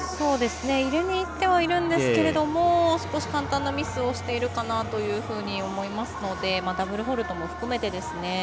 入れにいってはいるんですが少し、簡単なミスをしているかなと思いますのでダブルフォールトも含めてですね。